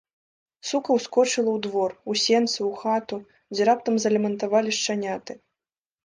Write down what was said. Сука ўскочыла ў двор, у сенцы, у хату, дзе раптам залямантавалі шчаняты.